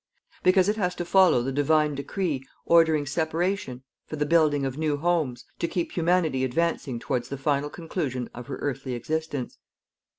Because it has to follow the Divine decree ordering separation for the building of new homes, to keep Humanity advancing towards the final conclusion of her earthly existence.